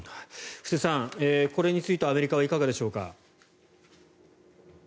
布施さん、これについてアメリカはいかがでしょうか。